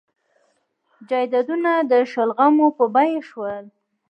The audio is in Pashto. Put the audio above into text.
جایدادونه د شلغمو په بیه شول.